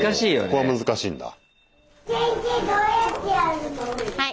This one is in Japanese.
ここは難しいんだ。